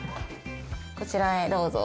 こちらへどうぞ。